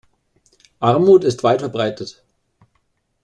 Armut ist weit verbreitet.